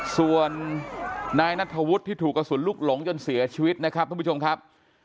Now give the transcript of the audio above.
ส่วนนายนัทธวุฒิที่ถูกกระสุนลูกหลงจนเสียชีวิตนะครับท่านผู้ชมครับ